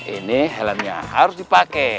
ini helmnya harus dipake